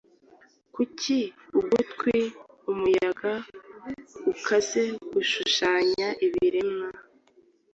Kuki ugutwi, umuyaga ukaze gushushanya ibiremwa?